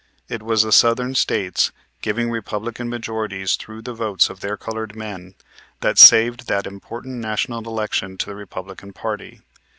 It was the Southern States, giving Republican majorities through the votes of their colored men, that saved that important national election to the Republican party.